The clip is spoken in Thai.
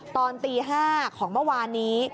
ตอนตี๕ของเมื่อวานนี้